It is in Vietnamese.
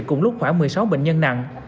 cùng lúc khoảng một mươi sáu bệnh nhân nặng